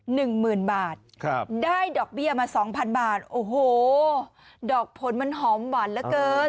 ๑หมื่นบาทได้ดอกเบี้ยมา๒๐๐๐บาทดอกผลมันหอมหวานเหลือเกิน